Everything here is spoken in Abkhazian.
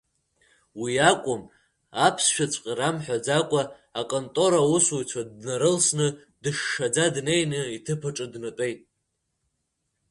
Уи акәым, аԥсшәаҵәҟьа рамҳәаӡакәа аконтора аусзуҩцәа дынрылсын, дышшаӡа днеины иҭыԥ аҿы днатәеит.